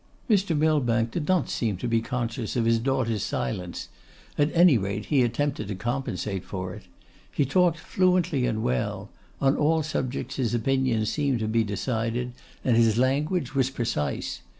Mr. Millbank did not seem to be conscious of his daughter's silence: at any rate, he attempted to compensate for it. He talked fluently and well; on all subjects his opinions seemed to be decided, and his language was precise.